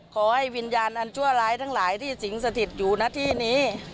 ขอให้วิญญาณอันชั่วร้ายทั้งหลายที่สิงสถิตอยู่ณที่นี้